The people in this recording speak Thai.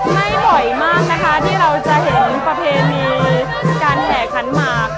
ไม่บ่อยมากนะคะที่เราจะเห็นประเพณีการแห่ขันหมาก